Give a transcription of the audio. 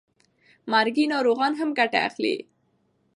مرګي ناروغان هم ګټه اخلي.